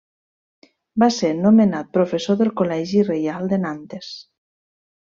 Va ser nomenat professor del Col·legi Reial de Nantes.